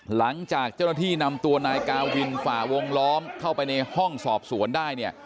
หลังจากเจ้าหน้าที่นำตัวนายกาวินฝ่าวงล้อมเข้าไปในห้องสอบสวนได้เนี่ย